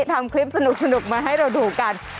ทำคลิปสนุกมาให้เราดูกัน